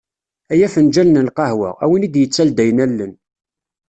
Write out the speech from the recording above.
Ay afenǧal n lqahwa, a win i d-yettaldayen allen.